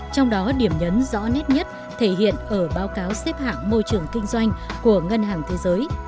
trong đó điểm nhấn rõ nét nhất thể hiện ở báo cáo xếp hạng môi trường kinh doanh của ngân hàng thế giới